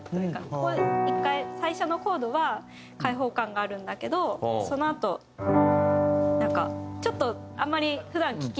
ここで１回最初のコードは開放感があるんだけどそのあとなんかちょっとあんまり普段聴き